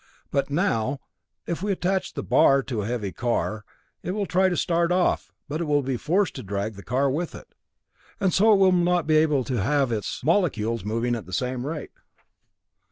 But now, if we attach the bar to a heavy car, it will try to start off, but will be forced to drag the car with it, and so will not be able to have its molecules moving at the same rate.